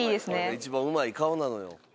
一番うまい顔なのよ。